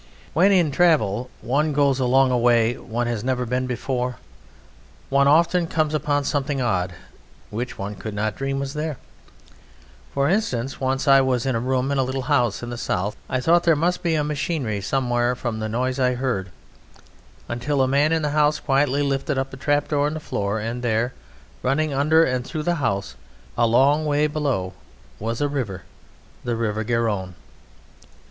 When in travel one goes along a way one has never been before one often comes upon something odd, which one could not dream was there: for instance, once I was in a room in a little house in the south and thought there must be machinery somewhere from the noise I heard, until a man in the house quietly lifted up a trapdoor in the floor, and there, running under and through the house a long way below, was a river: the River Garonne.